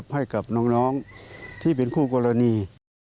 ให้กับน้องที่เป็นคู่กรณี